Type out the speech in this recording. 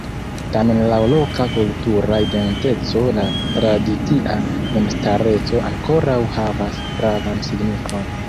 Tamen laŭ loka kultura identeco la tradicia memstareco ankoraŭ havas gravan signifon.